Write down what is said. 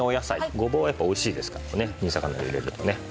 ゴボウやっぱおいしいですからね煮魚に入れるとね。